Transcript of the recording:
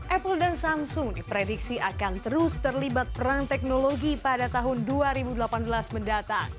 apple dan samsung diprediksi akan terus terlibat perang teknologi pada tahun dua ribu delapan belas mendatang